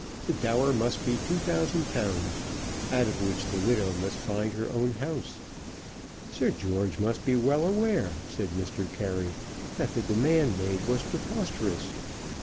The dower must be £2,000, out of which the widow must find her own house. Sir George must be well aware, said Mr. Carey, that the demand made was preposterous.